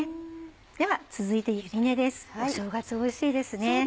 では続いてゆり根ですお正月おいしいですね。